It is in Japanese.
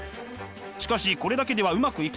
しかしこれだけではうまくいきません。